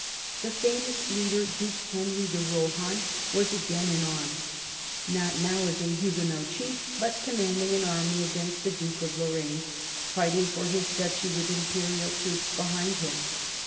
The famous leader, Duke Henry de Rohan, was again in arms, not now as a Huguenot chief, but commanding an army against the Duke of Lorraine, fighting for his duchy with imperial troops behind him.